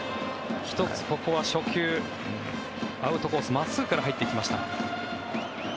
１つはここは初球アウトコース、真っすぐから入っていきました。